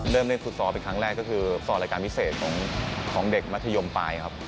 เล่นฟุตซอลเป็นครั้งแรกก็คือซอลรายการพิเศษของเด็กมัธยมปลายครับ